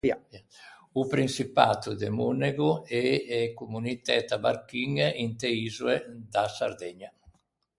O Prinçipato de Monego e e communitæ tabarchiñe inte isoe da Sardegna.